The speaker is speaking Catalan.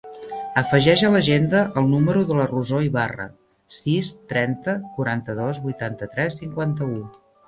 Afegeix a l'agenda el número de la Rosó Ibarra: sis, trenta, quaranta-dos, vuitanta-tres, cinquanta-u.